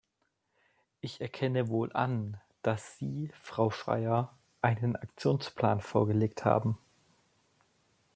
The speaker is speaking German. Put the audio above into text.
Ich erkenne wohl an, dass Sie, Frau Schreyer, einen Aktionsplan vorgelegt haben.